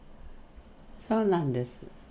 そうなんです。